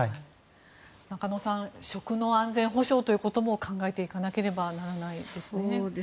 中野さん食の安全保障ということも考えていかなければならないですね。